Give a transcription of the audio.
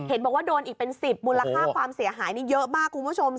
บอกว่าโดนอีกเป็น๑๐มูลค่าความเสียหายนี่เยอะมากคุณผู้ชม